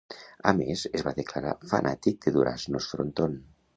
A més, es va declarar fanàtic de Duraznos Frontón